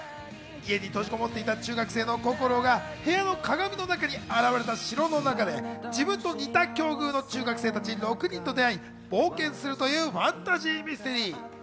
家に閉じこもっていた中学生のこころが部屋の鏡の中に現れた城の中で自分と似た境遇の中学生たち６人と出会い、冒険するというファンタジーミステリー。